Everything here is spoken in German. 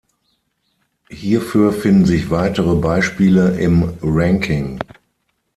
Hierfür finden sich weitere Beispiele im Ranking.